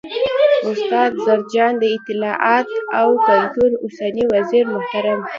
، استاد زرجان، د اطلاعات او کلتور اوسنی وزیرمحترم